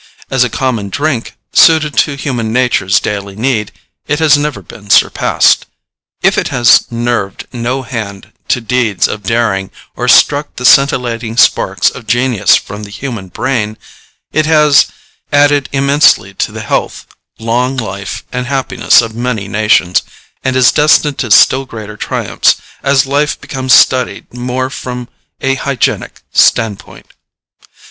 As a common drink, suited to human nature's daily need, it has never been surpassed. If it has nerved no hand to deeds of daring, or struck the scintillating sparks of genius from the human brain, it has added immensely to the health, long life, and happiness of many nations, and is destined to still greater triumphs, as life becomes studied more from a hygienic standpoint.